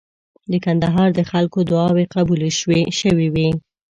د کندهار د خلکو دعاوي قبولې شوې وې.